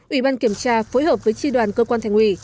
ủy ban kiểm tra phối hợp với tri đoàn cơ quan thành ủy